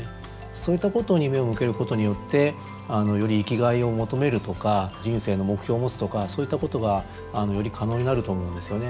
そういったことに目を向けることによってより生きがいを求めるとか人生の目標を持つとかそういったことがより可能になると思うんですよね。